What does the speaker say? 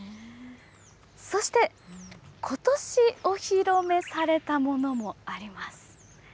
そして、ことしお披露目されたものもあります。